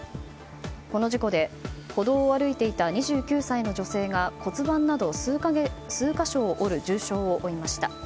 この事故で、歩道を歩いていた２９歳の女性が骨盤など数か所を折る重傷を負いました。